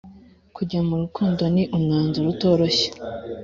kujya m’urukundo ni umwanzuro utoroshye.